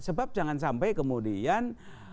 sebab jangan sampai kemudian